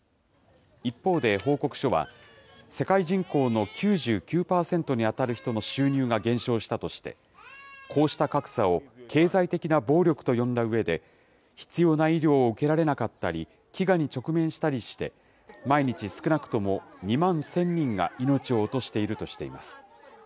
一方で報告書は、世界人口の９９％に当たる人の収入が減少したとして、こうした格差を経済的な暴力と呼んだうえで、必要な医療を受けられなかったり、飢餓に直面したりして、毎日少なくとも２万１０００人が命を落としているとしています。